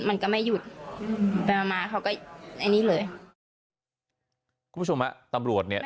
มันก็ไม่หยุดแต่มาเขาก็อันนี้เลยคุณผู้ชมฮะตำรวจเนี้ย